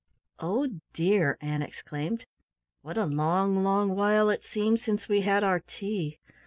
"Oh, dear," Ann exclaimed, "what a long, long while it seems since we had our tea!